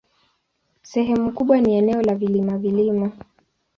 Sehemu kubwa ni eneo la vilima-vilima.